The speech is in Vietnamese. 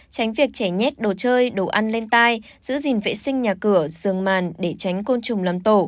tránh việc trẻ nhét đồ chơi đồ ăn lên tai giữ gìn vệ sinh nhà cửa dường màn để tránh côn trùng làm tổ